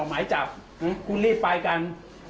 หมายจับคุณรีบไปกัน